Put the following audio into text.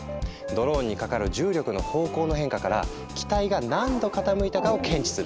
ドローンにかかる重力の方向の変化から機体が何度傾いたかを検知するんだ。